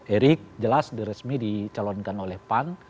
erick jelas diresmi dicalonkan oleh pan